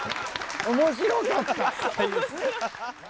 面白かった！